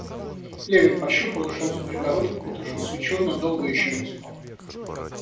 Левин пощупал, ушел за перегородку, потушил свечу, но долго еще не спал.